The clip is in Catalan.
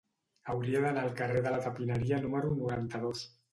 Hauria d'anar al carrer de la Tapineria número noranta-dos.